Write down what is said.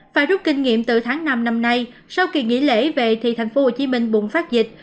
phải rút kinh nghiệm từ tháng năm năm nay sau kỳ nghỉ lễ về thì thành phố hồ chí minh bùng phát dịch